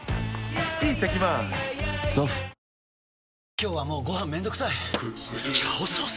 今日はもうご飯めんどくさい「炒ソース」！？